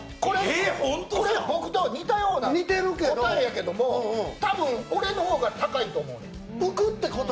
僕と似たような答えだけど多分、俺の方が高いと思うねん。